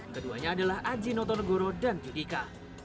keduanya adalah aji notonegoro dan yudika